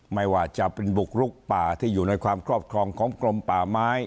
ไม่ว่าจะเป็นบุกลุกป่าที่อยู่ในความครอบครองของกรมป่าไม้